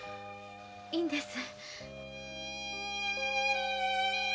いいんです。